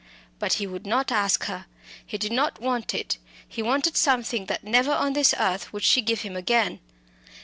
But he would not ask her; he did not want it; he wanted something that never on this earth would she give him again.